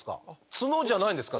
ツノじゃないんですか？